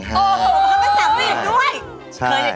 โอ้โฮพับเป็น๓เหลี่ยวด้วย